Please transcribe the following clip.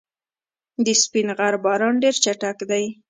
د سپین غر بازان ډېر چټک دي.